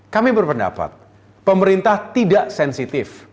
kami berpendapat pemerintah tidak sensitif